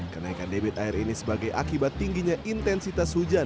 kenaikan debit air ini sebagai akibat tingginya intensitas hujan